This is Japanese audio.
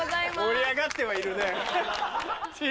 盛り上がってはいるね。